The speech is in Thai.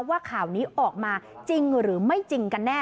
ว่าข่าวนี้ออกมาจริงหรือไม่จริงกันแน่